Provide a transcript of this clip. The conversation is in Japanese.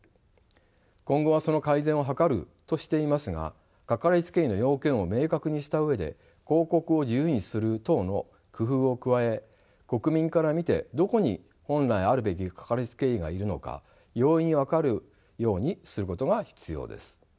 今後はその改善を図るとしていますがかかりつけ医の要件を明確にした上で広告を自由にする等の工夫を加え国民から見てどこに本来あるべきかかりつけ医がいるのか容易に分かるようにすることが必要です。